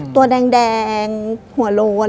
ตัวแดงหัวโล้น